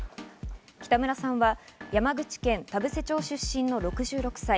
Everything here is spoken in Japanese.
北村さんは山口県田布施町出身の６６歳。